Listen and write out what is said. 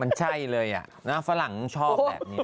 มันใช่เลยนะฝรั่งชอบแบบนี้